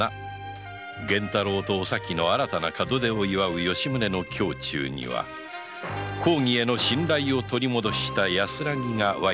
源太郎とお咲の新たな門出を祝う吉宗の胸中には公儀への信頼を取り戻した安らぎが湧いていた